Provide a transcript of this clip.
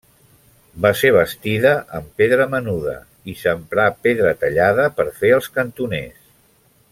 Va ser bastida amb pedra menuda i s'emprà pedra tallada per fer els cantoners.